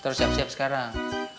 terus siap siap sekarang